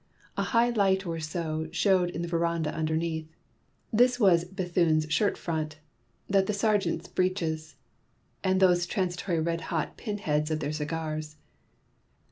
A high light or so showed in the verandah underneath; this was Bethune's shirt front, that the sergeant's breeches, and those transitory red hot pin heads their cigars.